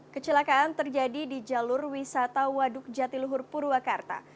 kecelakaan terjadi di jalur wisata waduk jatiluhur purwakarta